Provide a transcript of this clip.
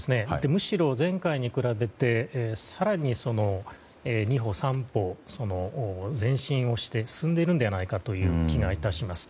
むしろ、前回に比べて更に、二歩三歩と前進して進んでいるのではないかという気がします。